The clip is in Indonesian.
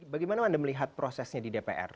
bagaimana anda melihat prosesnya di dpr